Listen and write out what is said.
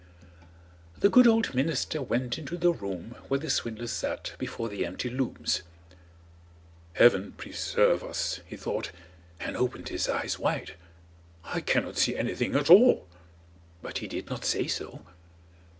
The good old minister went into the room where the swindlers sat before the empty looms. "Heaven preserve us!" he thought, and opened his eyes wide, "I cannot see anything at all," but he did not say so.